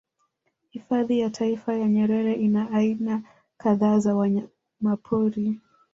Hifadhi ya Taifa ya Nyerere ina aina kadhaa za wanyamapori